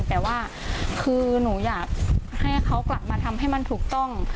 แต่ว่าคือหนูอยากให้เขากลับมาทำให้มันถูกต้อง